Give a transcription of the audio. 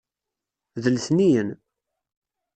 D letniyen.